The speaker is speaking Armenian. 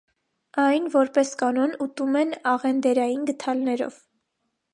Այն, որպես կանոն, ուտում են աղենդերային գդալներով։